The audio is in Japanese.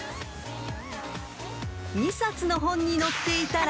［２冊の本に載っていたら］